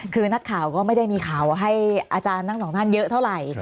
คือนักข่าวก็ไม่ได้มีข่าวว่าให้อาจารย์ทั้งสองท่านเยอะเท่าไหร่